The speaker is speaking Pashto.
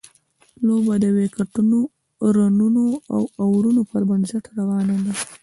لوبه د ویکټونو، رنونو او اورونو پر بنسټ روانه ده.